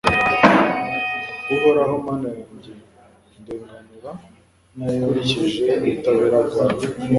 Uhoraho Mana yanjye ndenganura ukurikije ubutabera bwawe